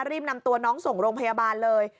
รีบนำตัวน้องส่งโรงพยาบาลเลย